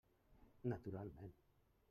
Naturalment!